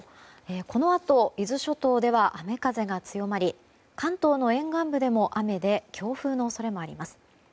このあと、伊豆諸島では雨風が強まり関東の沿岸部でも雨で強風の恐れもあります。